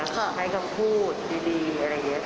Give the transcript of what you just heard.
ใช้คำพูดดีอะไรอย่างนี้